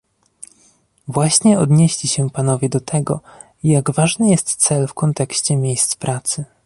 Właśnie odnieśli się panowie do tego, jak ważny jest cel w kontekście miejsc pracy